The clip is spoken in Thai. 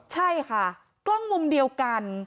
ใช่ค่ะกล้องมุมเดียวกัน